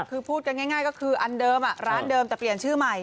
คือพูดกันง่ายก็คืออันเดิมร้านเดิมแต่เปลี่ยนชื่อใหม่